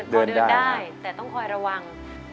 พอเดินได้แต่ต้องคอยระวัง